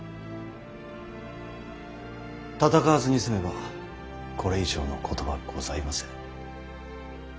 戦わずに済めばこれ以上のことはございません。